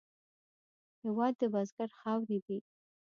هېواد د بزګر خاورې دي.